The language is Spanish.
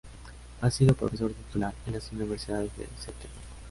Ha sido profesor titular en las universidades de St.